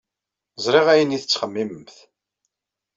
Ẓriɣ ayen ay ttxemmiment.